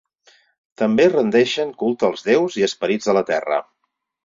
També rendeixen culte als déus i esperits de la terra.